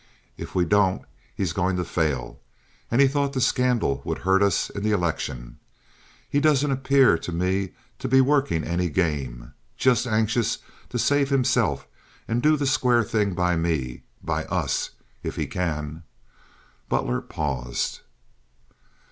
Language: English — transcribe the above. If we don't he's goin' to fail, and he thought the scandal would hurt us in the election. He doesn't appear to me to be workin' any game—just anxious to save himself and do the square thing by me—by us, if he can." Butler paused.